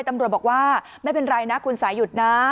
ตำรวจบอกว่าไม่เป็นไรนะคุณสายุทธ์นะ